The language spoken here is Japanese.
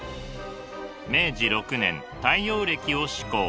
明治６年太陽暦を施行。